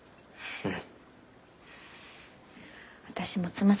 うん。